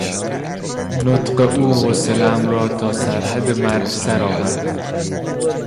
نطق او حوصلهام را تا سر حد مرگ سرآورد!